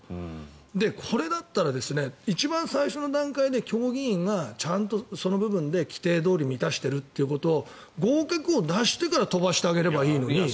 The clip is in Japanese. これだったら一番最初の段階で競技委員がその部分で規定どおり満たしていることを合格を出してから飛ばしてあげればいいのに。